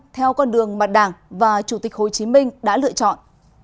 theo con đường mà đảng và chủ tịch hồ chí minh đã lựa chọn